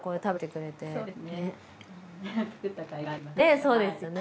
そうですね。